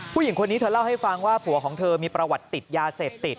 ผู้หญิงคนนี้เธอเล่าให้ฟังว่าผัวของเธอมีประวัติติดยาเสพติด